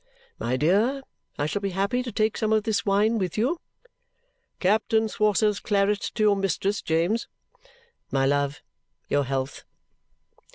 My dear, I shall be happy to take some of this wine with you. (Captain Swosser's claret to your mistress, James!) My love, your health!"